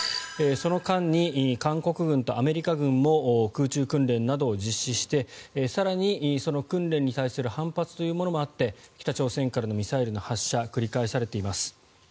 その間に韓国軍とアメリカ軍も空中訓練などを実施して更にその訓練に対する反発というものもあって北朝鮮からのミサイルの発射繰り返されています。